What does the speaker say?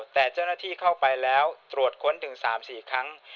แต่เจ้าหน้าที่เข้าไปแล้วตรวจค้นถึง๓๔ครั้ง